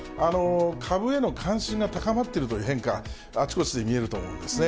株への関心が高まっているという変化、あちこちで見えると思うんですね。